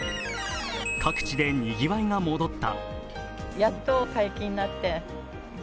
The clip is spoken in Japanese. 各地でにぎわいが戻った。